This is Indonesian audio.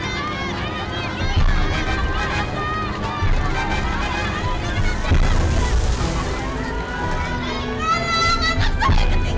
dia tidak bisa keluar